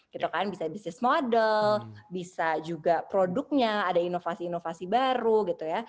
gitu kan bisa bisnis model bisa juga produknya ada inovasi inovasi baru gitu ya